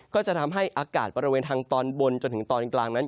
ก็จะทำให้อากาศบริเวณทางตอนบนจนถึงตอนกลางนั้น